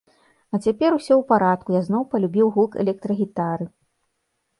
А цяпер усё ў парадку, я зноў палюбіў гук электрагітары.